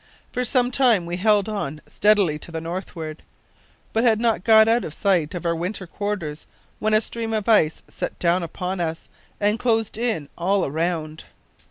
For some time we held on steadily to the northward, but had not got out of sight of our winter quarters when a stream of ice set down upon us and closed in all around.